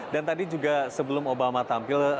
dan tadi juga sebelum obama tampil